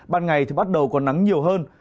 ban ngày thì bắt đầu có nắng nhiều hơn